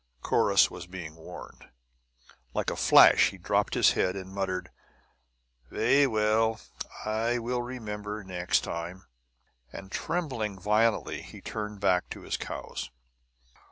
Corrus was being warned. Like a flash he dropped his head and muttered: "Vey well. I will remember next time." And trembling violently he turned back to his cows.